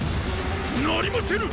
なりませぬ！